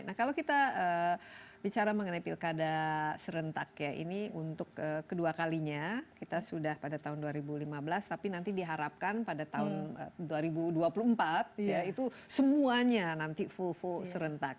nah kalau kita bicara mengenai pilkada serentak ya ini untuk kedua kalinya kita sudah pada tahun dua ribu lima belas tapi nanti diharapkan pada tahun dua ribu dua puluh empat ya itu semuanya nanti full full serentak